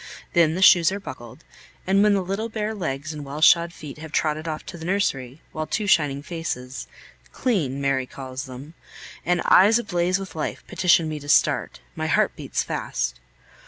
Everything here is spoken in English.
Then the shoes are buckled; and when the little bare legs and well shod feet have trotted off to the nursery, while two shining faces (clean, Mary calls them) and eyes ablaze with life petition me to start, my heart beats fast.